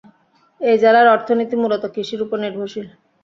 এই জেলার অর্থনীতি মূলতঃ কৃষির ওপর নির্ভরশীল।